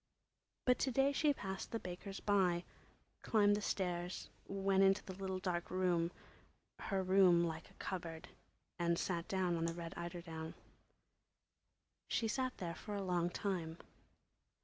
But to day she passed the baker's by, climbed the stairs, went into the little dark room—her room like a cupboard—and sat down on the red eiderdown. She sat there for a long time.